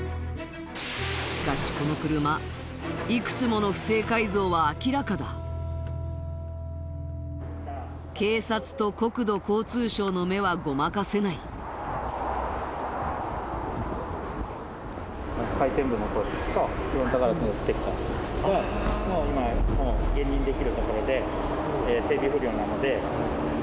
しかしこの車いくつもの不正改造は明らかだ警察と国土交通省の目はごまかせない了解です